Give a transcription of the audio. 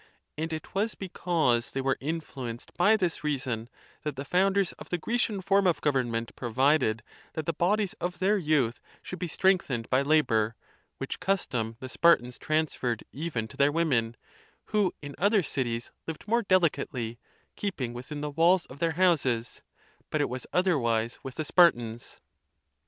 And it was because they were influenced by this reason that the founders of the Grecian form of government provided 'that the bodies of their youth should be strengthened by labor, which custom the Spartans transferred even to their women, who in other cities lived more delicately, keeping within the walls of their houses; but it was otherwise with the Spartans.